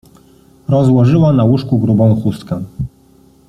Rozłożyła na łóżku grubą chustkę.